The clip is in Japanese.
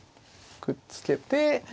くっつけて。